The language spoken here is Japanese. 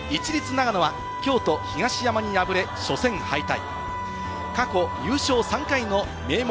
長野は京都・東山に敗れ、初戦敗退。